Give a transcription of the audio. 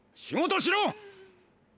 仕事しろ！